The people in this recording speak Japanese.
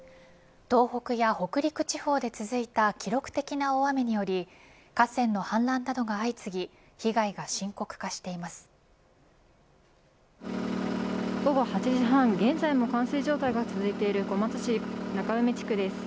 東北や北陸地方で続いた記録的な大雨により河川の氾濫などが相次ぎ被害が深刻化しています。